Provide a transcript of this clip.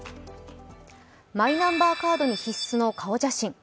マイナンバーカードに必須の顔写真。